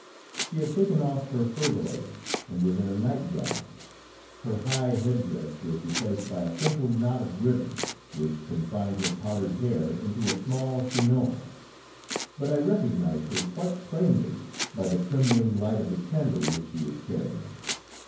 She had taken off her furbelows, and was in her nightgown. Her high head dress was replaced by a simple knot of ribbon, which confined her powdered hair into a small chignon, but I recognized her quite plainly, by the trembling light of the candle which she was carrying.